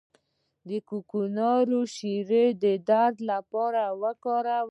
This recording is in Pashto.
د کوکنارو شیره د درد لپاره وکاروئ